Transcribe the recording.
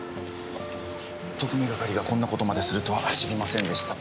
特命係がこんな事までするとは知りませんでした。